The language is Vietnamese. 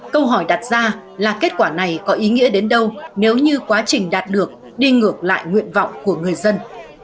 câu hỏi đặt ra là kết quả này có ý nghĩa đến đâu nếu như quá trình đạt được đi ngược lại nguyện vọng của người dân